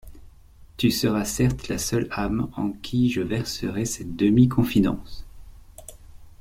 Tu seras certes la seule âme en qui je verserai cette demi-confidence.